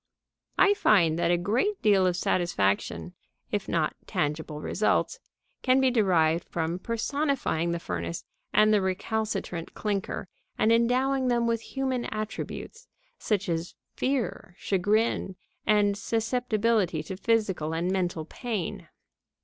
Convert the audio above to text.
I find that a great deal of satisfaction, if not tangible results, can be derived from personifying the furnace and the recalcitrant clinker, and endowing them with human attributes, such as fear, chagrin, and susceptibility to physical and mental pain.